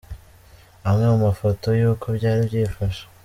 Amwe mu mafoto y'uko byari byifashe:.